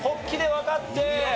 わかって。